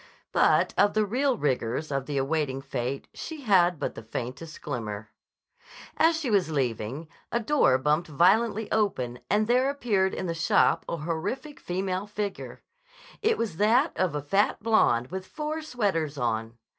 But of the real rigors of the awaiting fate she had but the faintest glimmer. As she was leaving, a door bumped violently open and there appeared in the "shop" a horrific female figure. It was that of a fat blonde with four sweaters on.